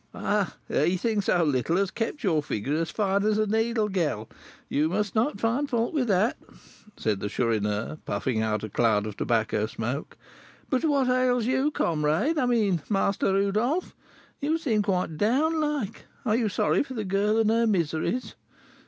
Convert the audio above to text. "Ah, eating so little has kept your figure as fine as a needle, girl; you must not find fault with that," said Chourineur, puffing out a cloud of tobacco smoke. "But what ails you, comrade I mean, Master Rodolph? You seem quite down like; are you sorry for the girl and her miseries?